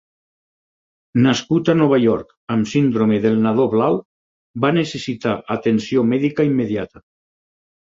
Nascut a Nova York, amb síndrome del nadó blau, va necessitar atenció mèdica immediata.